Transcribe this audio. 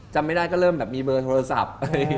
จำไม่ได้ก็เริ่มแบบมีเบอร์โทรศัพท์